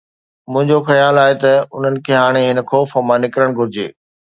منهنجو خيال آهي ته انهن کي هاڻي هن خوف مان نڪرڻ گهرجي.